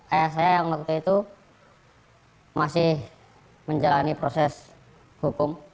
ayah saya yang waktu itu masih menjalani proses hukum